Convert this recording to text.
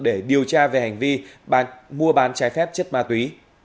để điều tra về hành vi mua bán trái phép chất ma túy